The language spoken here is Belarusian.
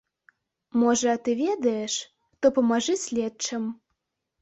Можа, ты ведаеш, то памажы следчым.